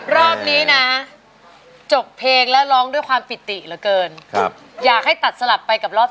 ร้องได้ให้ร้า